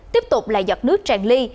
tiếp tục lại giọt nước tràn ly